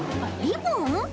リボン？